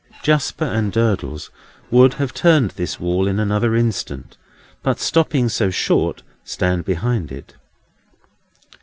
Jasper and Durdles would have turned this wall in another instant; but, stopping so short, stand behind it.